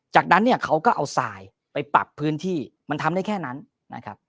จากนั้นเนี่ยเขาก็เอาทรายไปปรับพื้นที่มันทำได้แค่นั้นนะครับ